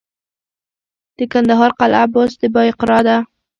د کندهار قلعه بست د بایقرا ده